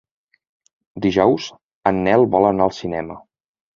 Dijous en Nel vol anar al cinema.